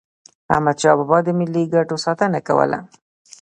احمدشاه بابا به د ملي ګټو ساتنه کوله.